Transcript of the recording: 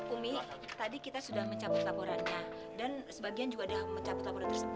umi tadi kita sudah mencabut laporannya dan sebagian juga ada yang mencabut laporan tersebut